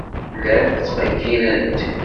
Llant ttqeyyilent.